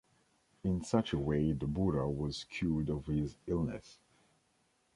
In such a way the Buddha was cured of his illness.